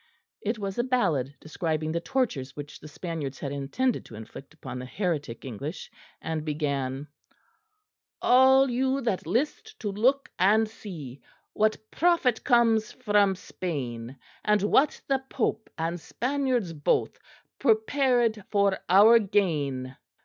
It was a ballad describing the tortures which the Spaniards had intended to inflict upon the heretic English, and began: "All you that list to look and see What profit comes from Spain, And what the Pope and Spaniards both Prepared for our gain.